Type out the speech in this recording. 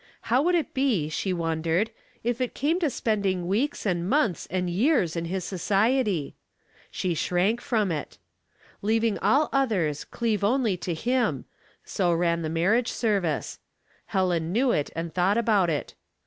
How would it be, she wondered, if it came to spending weeks and months and years in his society. She shrank from it. *' Leaving all others, cleave only to him." So ran the marriage service. Helen knew it and thought about it.